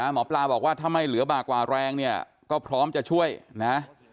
หมอปลาบอกว่าถ้าไม่เหลือบากกว่าแรงเนี่ยก็พร้อมจะช่วยนะ